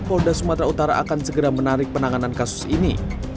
polda sumatera utara akan segera menarik penanganan kasus ini